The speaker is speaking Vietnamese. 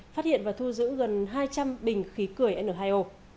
phát hiện và thu giữ gần hai trăm linh bình khí cười n hai o